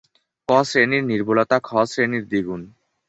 ক শ্রেনির নির্ভুলতা খ শ্রেণির দ্বিগুন।